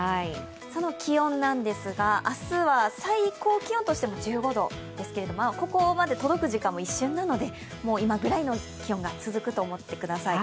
その気温なんですが、明日は最高気温としても１５度ですけどもここまで届く時間も一瞬なので今ぐらいの気温が続くと思ってください。